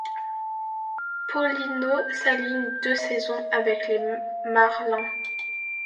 Paulino s'aligne deux saisons avec les Marlins.